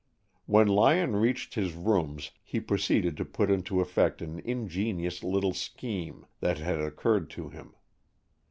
When Lyon reached his rooms he proceeded to put into effect an ingenious little scheme that had occurred to him.